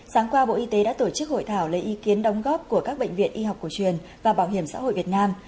sáng qua bộ y tế đã tổ chức hội thảo lấy ý kiến đóng góp của các bệnh viện y học cổ truyền và bảo hiểm xã hội việt nam